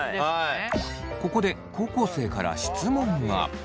ここで高校生から質問が。